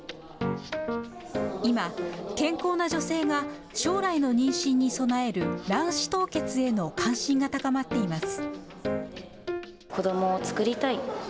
今、健康な女性が、将来の妊娠に備える、卵子凍結への関心が高まっています。